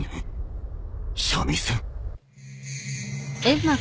三味線？